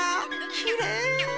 きれい。